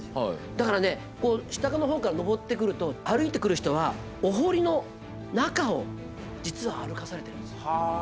だからね下の方から登ってくると歩いてくる人はお堀の中を実は歩かされてるんです。